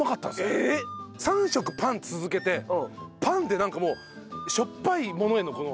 ３食パン続けてパンでなんかもうしょっぱいものへのこの。